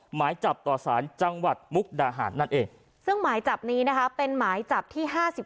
หมายจับต่อสารจังหวัดมุกดาหารนั่นเองซึ่งหมายจับนี้นะคะเป็นหมายจับที่๕๓